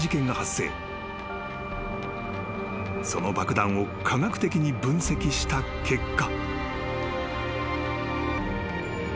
［その爆弾を科学的に分析した結果］